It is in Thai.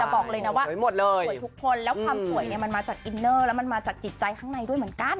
บอกเลยนะว่าสวยทุกคนแล้วความสวยเนี่ยมันมาจากอินเนอร์แล้วมันมาจากจิตใจข้างในด้วยเหมือนกัน